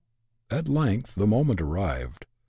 At length the moment arrived.